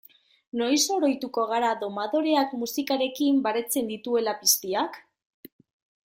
Noiz oroituko gara domadoreak musikarekin baretzen dituela piztiak?